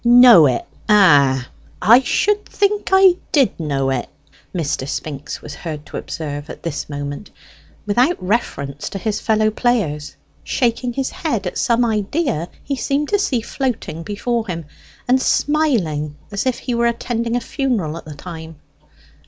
"Know it! ah, I should think I did know it!" Mr. Spinks was heard to observe at this moment, without reference to his fellow players shaking his head at some idea he seemed to see floating before him, and smiling as if he were attending a funeral at the time.